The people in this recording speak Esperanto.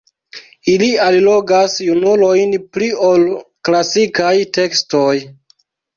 Ili allogas junulojn pli ol klasikaj tekstoj.